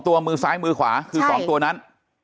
มือซ้ายมือขวาคือ๒ตัวนั้น